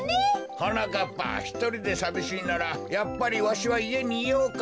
はなかっぱひとりでさびしいならやっぱりわしはいえにいようか？